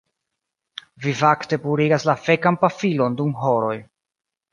Vi fakte purigas la fekan pafilon dum horoj